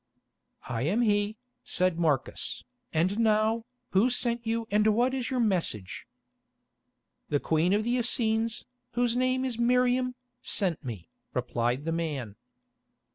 "I am he," said Marcus, "and now, who sent you and what is your message?" "The Queen of the Essenes, whose name is Miriam, sent me," replied the man.